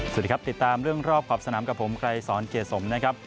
สวัสดีครับติดตามเรื่องรอบขอบสนามกับผมไกรสอนเกียรติสมนะครับ